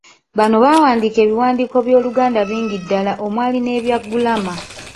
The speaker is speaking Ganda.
Bano baawandiika ebiwandiiko by’Oluganda bingi ddala omwali n'ebya ggulama.